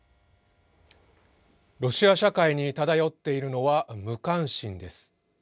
ロシア社会に漂っているのは無関心です。